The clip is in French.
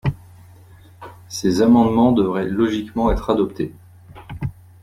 Ces amendements devraient logiquement être adoptés.